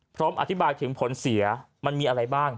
พร้อมอธิบายถึงผลเสียมันมีอะไรบ้าง